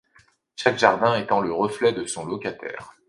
Chaque jardin étant le reflet de son locataire.